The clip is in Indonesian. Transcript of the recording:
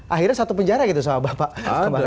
akhirnya satu penjara gitu sama bapak